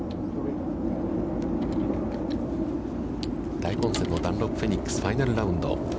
大混戦ダンロップフェニックスファイナルラウンド。